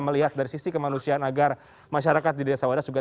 melihat dari sisi kemanusiaan agar masyarakat di desa wadas juga